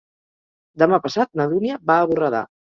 Demà passat na Dúnia va a Borredà.